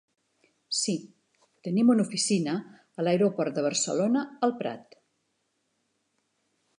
Sí, tenim una oficina a l'aeroport de Barcelona El Prat.